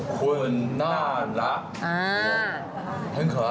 คุณน่ารัก